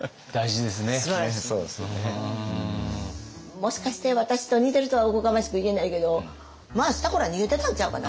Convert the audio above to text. もしかして私と似てるとはおこがましく言えないけどまあスタコラ逃げてたんちゃうかな。